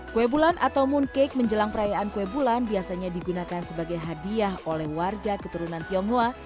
kue bulan atau mooncake menjelang perayaan kue bulan biasanya digunakan sebagai hadiah oleh warga keturunan tionghoa